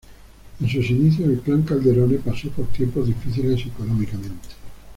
En sus inicios el clan Calderone pasó por tiempos difíciles económicamente.